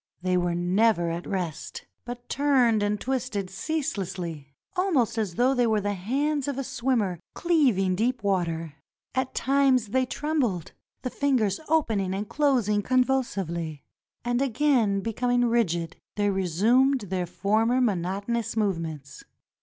They were never at rest, but turned and twisted ceaselessly, almost as though they were the hands of a swimmer cleaving deep water. At times they trembled — the fingers opening and closing convulsively; and again becoming rigid they resumed their former monotonous movements.